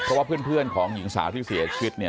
เพราะว่าเพื่อนของหญิงสาวที่เสียชีวิตเนี่ย